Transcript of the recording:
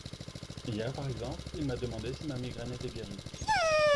Hier, par exemple, il m’a demandé si ma migraine était guérite.